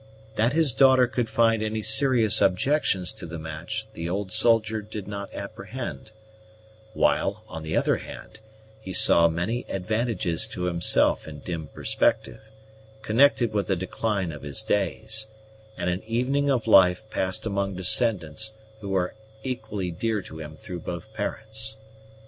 That his daughter could find any serious objections to the match the old soldier did not apprehend; while, on the other hand, he saw many advantages to himself in dim perspective, connected with the decline of his days, and an evening of life passed among descendants who were equally dear to him through both parents.